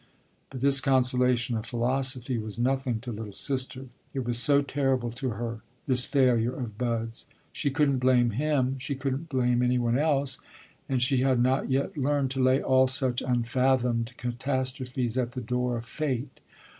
But this consolation of philosophy was nothing to "little sister." It was so terrible to her, this failure of Bud's. She couldn't blame him, she couldn't blame anyone else, and she had not yet learned to lay all such unfathomed catastrophes at the door of fate.